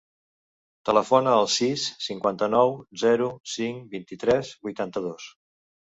Telefona al sis, cinquanta-nou, zero, cinc, vint-i-tres, vuitanta-dos.